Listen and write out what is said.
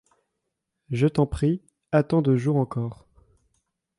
Je t'en prie, attends deux jours encore.